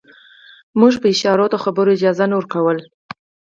موږ په اشارو د خبرو اجازه نه ورکوله.